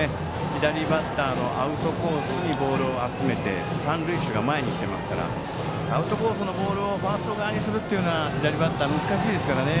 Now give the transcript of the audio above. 左バッターのアウトコースにボールを集めて三塁手が前に来ていますからアウトコースのボールをファースト側にするのは左バッター、難しいですからね。